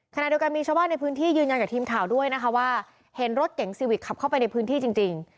ขณะเดียวกันมีชาวบ้านในพื้นที่ยืนยันกับทีมข่าวด้วยนะคะว่าเห็นรถเก๋งซีวิกขับเข้าไปในพื้นที่จริง